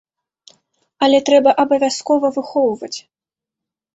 Але трэба абавязкова выхоўваць.